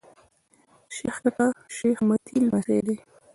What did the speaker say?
شېخ کټه شېخ متي لمسی دﺉ.